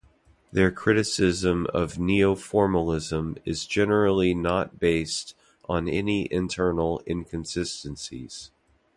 Their criticism of neoformalism is generally not based on any internal inconsistencies.